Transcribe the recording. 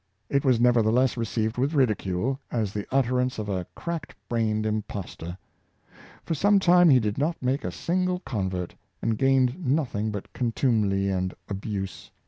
It was nevertheless received with ridicule, as the utterance of a cracked brained impostor. For some time he did not make a single convert, and gained noth ing but contumely and abuse.